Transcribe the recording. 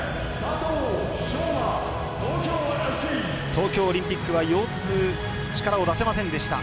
東京オリンピックは腰痛で力を出せませんでした。